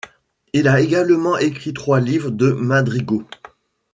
Il a également écrit trois livres de madrigaux.